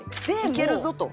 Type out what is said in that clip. いけるぞ！